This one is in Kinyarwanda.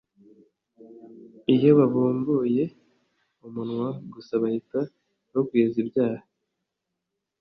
Iyo babumbuye umunwa gusa bahita bagwiza ibyaha